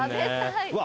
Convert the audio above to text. うわ。